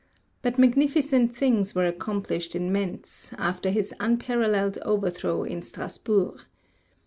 But magnificent things were accomplished in Mentz, after his unparalleled overthrow in Strasbourg.